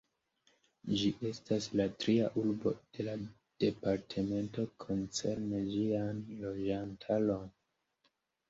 Ĝi estas la tria urbo de la departemento koncerne ĝian loĝantaron.